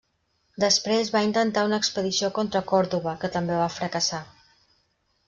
Després va intentar una expedició contra Còrdova, que també va fracassar.